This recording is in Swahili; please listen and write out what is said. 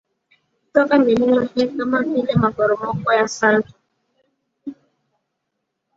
kutoka milima hii kama vile maporomoko ya Salto